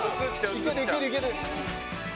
いけるいけるいける。